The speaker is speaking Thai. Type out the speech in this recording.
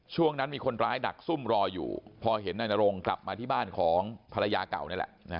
ช่วงนั้นมีคนร้ายดักซุ่มรออยู่พอเห็นนายนรงกลับมาที่บ้านของภรรยาเก่านี่แหละ